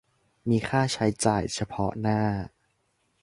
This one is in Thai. มีค่าใช้จ่ายเฉพาะหน้า